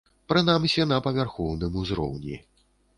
Прынамсі, на павярхоўным узроўні.